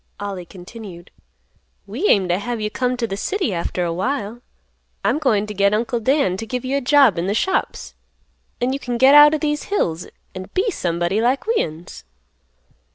Ollie continued; "We aim t' have you come t' th' city after a while. I'm goin' t' get Uncle Dan t' give you a job in th' shops, an' you can get out o' these hills an' be somebody like we'uns."